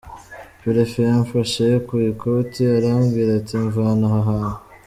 Perefe yamfashe ku ikoti arambwira ati mvana aha hantu.